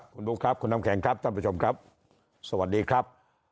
คุณบุ๊คครับคุณน้ำแข็งครับท่านผู้ชมครับสวัสดีครับ